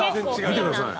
見てください。